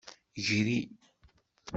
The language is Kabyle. Gri.